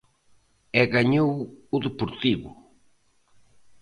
E gañou o Deportivo.